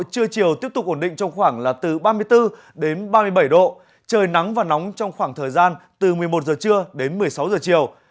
trưa chiều tiếp tục ổn định trong khoảng là từ ba mươi bốn đến ba mươi bảy độ trời nắng và nóng trong khoảng thời gian từ một mươi một giờ trưa đến một mươi sáu giờ chiều